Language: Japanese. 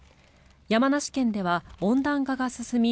山梨県では温暖化が進み